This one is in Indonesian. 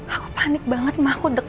aku panik banget ma aku deg degan